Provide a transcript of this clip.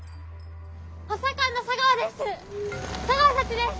補佐官の茶川です！